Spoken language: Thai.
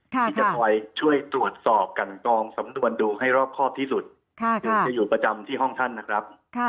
ที่จะคอยช่วยตรวจสอบกันกองสำนวนดูให้รอบครอบที่สุดจะอยู่ประจำที่ห้องท่านนะครับ